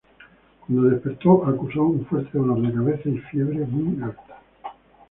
Cuando despertó acusó un fuerte dolor de cabeza y fiebre muy alta.